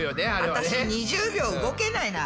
私２０秒動けないな。